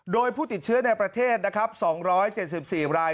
โดยผู้ติดเชื้อในประเทศนะครับ๒๗๔ราย